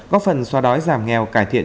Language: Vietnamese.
góp phần xóa đói giảm nghèo cải thiện